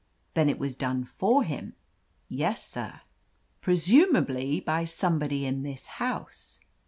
"Then it was done for him." "Yes, sir." 'Presumably by somebody in this house."